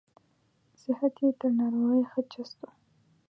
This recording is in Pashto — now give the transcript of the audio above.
صحت یې تر ناروغۍ ښه چست و.